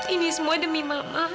ini semua demi mama